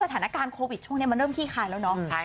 สถานการณ์โควิดช่วงนี้มันเริ่มขี้คายแล้วเนาะ